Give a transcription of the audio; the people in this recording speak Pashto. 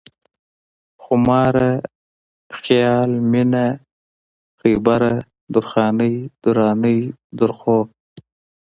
خوماره ، خيال مينه ، خيبره ، درخانۍ ، درانۍ ، درخو